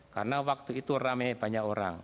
karena waktu itu rame banyak orang